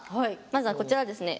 まずはこちらですね。